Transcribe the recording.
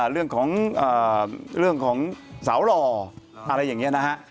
เรื่องของสาวหล่ออะไรอย่างนี้นะฮะ